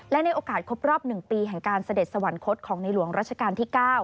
และในโอกาสครบรอบ๑ปีแห่งการเสด็จสวรรคตของในหลวงรัชกาลที่๙